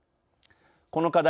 この課題